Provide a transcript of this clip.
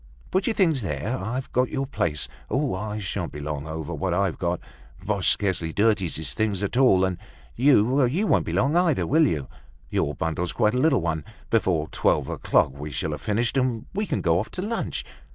"Put your things there, I've kept your place. Oh, I sha'n't be long over what I've got. Boche scarcely dirties his things at all. And you, you won't be long either, will you? Your bundle's quite a little one. Before twelve o'clock we shall have finished, and we can go off to lunch.